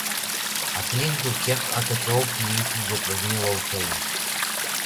Aplinkui kiek atokiau plyti dirbami laukai.